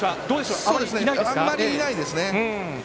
あんまりいないですね。